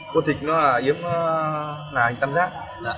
cua thịt nó yếm là hình tăm giác